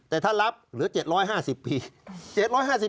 แต่ถ้ารับเหลือ๗๕๐ปี